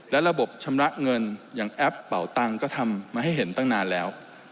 และระบบชำระเงินอย่างแอปเป่าตังค์ก็ทำมาให้เห็นตั้งนานแล้ว